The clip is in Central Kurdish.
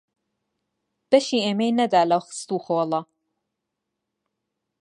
بەشی ئێمەی نەدا لەو خەست و خۆڵە